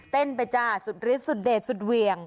เต้นไปจ้าสุดฤทธสุดเด็ดสุดเวียง